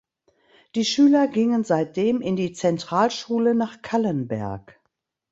Die Schüler gingen seitdem in die Zentralschule nach Callenberg.